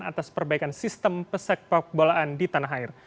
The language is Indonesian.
atas perbaikan sistem pesek pesek bolaan di tanah air